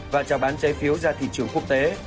và trào bán trái phiếu ra thị trường quốc tế